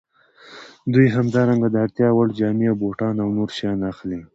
دوی همدارنګه د اړتیا وړ جامې او بوټان او نور شیان اخلي